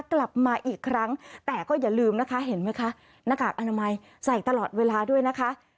กลับมาอีกครั้งแต่ก็อย่าลืมนะคะเห็นไหมคะหน้ากากอนามัยใส่ตลอดเวลาด้วยนะคะ